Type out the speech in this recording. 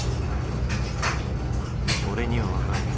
俺には分かる。